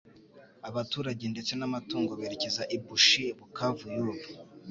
abaturage ndetse n'amatungo, berekeza I Bushi (Bukavu y'ubu ).